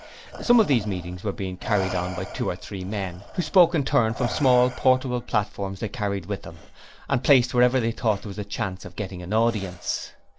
Some of these meetings were being carried on by two or three men, who spoke in turn from small, portable platforms they carried with them, and placed wherever they thought there was a chance of getting an audience.